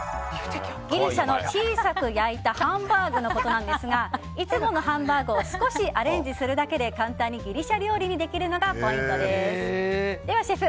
ギリシャの小さく焼いたハンバーグのことなんですがいつものハンバーグを少しアレンジするだけで簡単にギリシャ料理にできるのがポイントです。